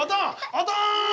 おとん！